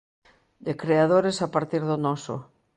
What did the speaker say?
De creadores a partir do noso.